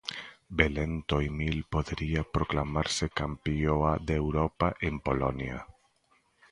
Belén Toimil podería proclamarse campioa de Europa en Polonia.